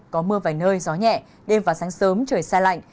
có mưa vài nơi gió nhẹ đêm và sáng sớm trời xa lạnh